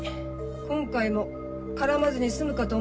今回も絡まずに済むかと思ってたんですけど。